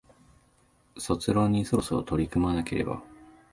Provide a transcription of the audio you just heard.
卒論にそろそろ取り組まなければ